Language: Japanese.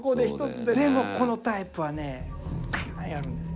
でもこのタイプはねカーッやるんですよ。